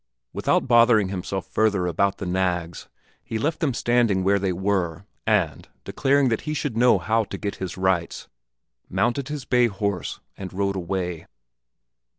Without bothering himself further about the nags, he left them standing where they were, and, declaring that he should know how to get his rights, mounted his bay horse and rode away.